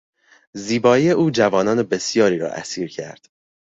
زیبایی او جوانان بسیاری را اسیر کرد.